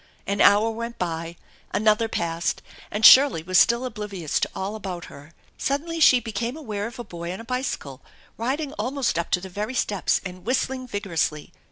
An hour went by, another passed, and Shirley was still oblivious to all about her. Suddenly she became aware of a boy on a bicycle, riding almost up to the very steps, and whistling vigorously.